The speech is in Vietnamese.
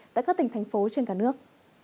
tại các tỉnh thành phố trên cả nước